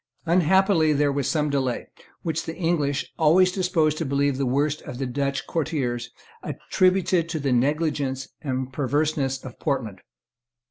Unhappily there was some delay, which the English, always disposed to believe the worst of the Dutch courtiers, attributed to the negligence or perverseness of Portland.